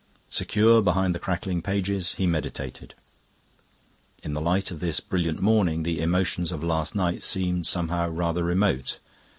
Secure behind the crackling pages, he meditated. In the light of this brilliant morning the emotions of last night seemed somehow rather remote.